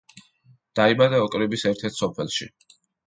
დაიბადა ოკრიბის ერთ-ერთ სოფელში.